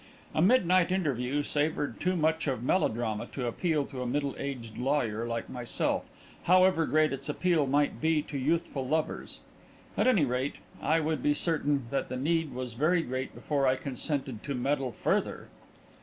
A midnight interview savoured too much of melodrama to appeal to a middle aged lawyer like myself, however great its appeal might be to youthful lovers. At any rate, I would be certain that the need was very great before I consented to meddle further!